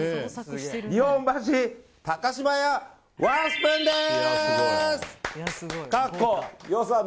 日本橋高島屋ワンスプーンです。